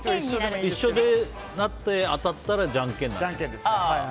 一緒になって、当たったらじゃんけんなんですよね。